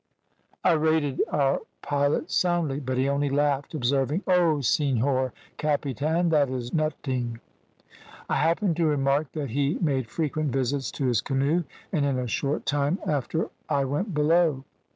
"I rated our pilot soundly, but he only laughed, observing, `Oh, senhor capitan, that is noting.' I happened to remark that he made frequent visits to his canoe, and in a short time after I went below.